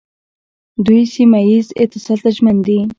دوی سیمه ییز اتصال ته ژمن دي.